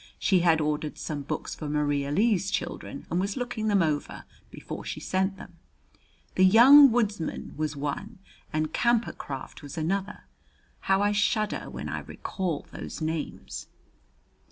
She had ordered some books for Maria Lee's children and was looking them over before she sent them. The "Young Woods man" was one and "Camper Craft" was another. How I shudder when I recall those names!